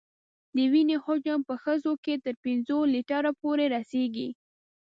د وینې حجم په ښځو کې تر پنځو لیترو پورې رسېږي.